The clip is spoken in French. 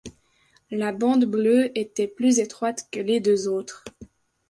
La bande bleue était plus étroite que les deux autres.